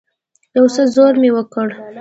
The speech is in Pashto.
يو څه زور مې وکړ.